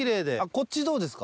こっちどうですか？